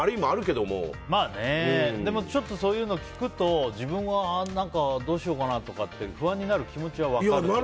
でも、ちょっとそういうのを聞くと自分はどうしようかなとかって不安になる気持ちは分かるよね。